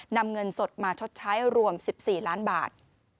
นำเงินสดมาชดใช้รวม๑๔ล้านบาท